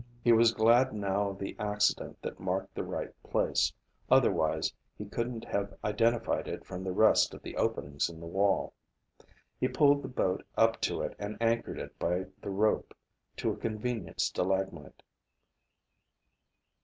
He was glad now of the accident that marked the right place, otherwise he couldn't have identified it from the rest of the openings in the wall. He pulled the boat up to it and anchored it by the rope to a convenient stalagmite.